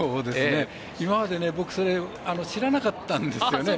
今まで僕それ知らなかったんですよね。